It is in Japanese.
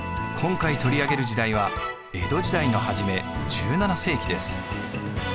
今回取り上げる時代は江戸時代の初め１７世紀です。